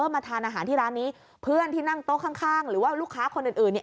มาทานอาหารที่ร้านนี้เพื่อนที่นั่งโต๊ะข้างหรือว่าลูกค้าคนอื่นเนี่ย